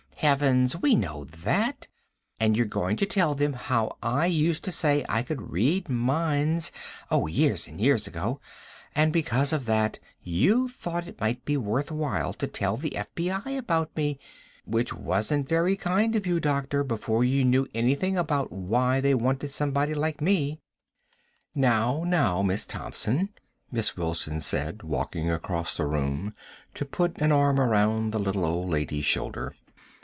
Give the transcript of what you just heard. "Heavens, we know that. And you're going to tell them how I used to say I could read minds ... oh, years and years ago. And because of that you thought it might be worth while to tell the FBI about me which wasn't very kind of you, doctor, before you knew anything about why they wanted somebody like me." "Now, now, Miss Thompson," Miss Wilson said, walking across the room to put an arm around the little old lady's shoulder.